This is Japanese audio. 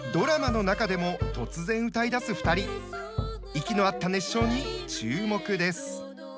息の合った熱唱に注目です。